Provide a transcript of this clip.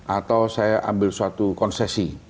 atau saya ambil suatu konsesi